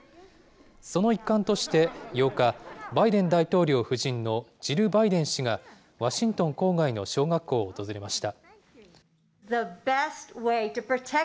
その一環として８日、バイデン大統領夫人のジル・バイデン氏が、ワシントン郊外の小学校を訪れました。